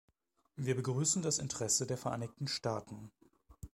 Wir begrüßen das Interesse der Vereinigten Staaten.